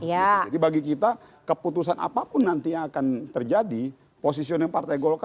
jadi bagi kita keputusan apapun nanti yang akan terjadi posisinya partai golkar